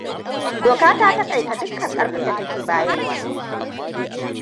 Doka ta taƙaita dukkan ƙarfin da take bayarwa.